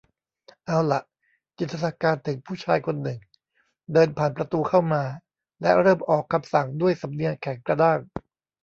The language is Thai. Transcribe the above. เอาหล่ะ จินตนาการถึงผู้ชายคนหนึ่งเดินผ่านประตูเข้ามา และเริ่มออกคำสั่งด้วยสำเนียงแข็งกระด้าง